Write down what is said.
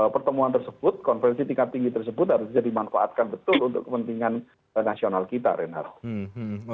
pertemuan tersebut konferensi tingkat tinggi tersebut harus bisa dimanfaatkan betul untuk kepentingan nasional kita reinhardt